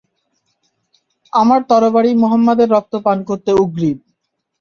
আমার তরবারি মুহাম্মাদের রক্ত পান করতে উদগ্রীব।